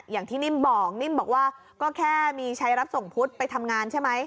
อย่างที่นิ่มบอกนิ่มบอกว่าก็แค่มีใช้รับส่งพุทธไปทำงานใช่ไหม